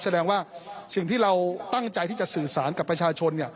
แสดงว่าสิ่งที่เราตั้งใจที่จะสื่อสารกับประชาชน